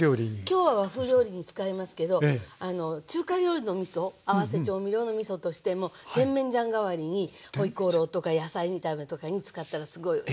今日は和風料理に使いますけど中華料理のみそ合わせ調味料のみそとしても甜麺醤代わりにホイコーローとか野菜炒めとかに使ったらすごいおいしいと。